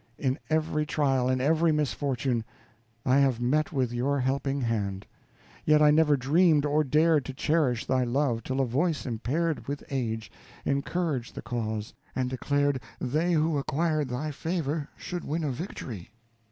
In every trial, in every misfortune, I have met with your helping hand; yet I never dreamed or dared to cherish thy love till a voice impaired with age encouraged the cause, and declared they who acquired thy favor should win a victory.